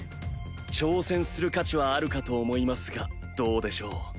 挑戦する価値はあるかと思いますがどうでしょう？